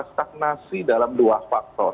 stagnasi dalam dua faktor